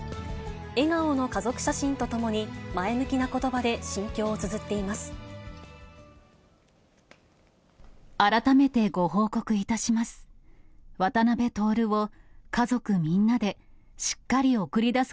笑顔の家族写真とともに、前向きなことばで心境をつづっています。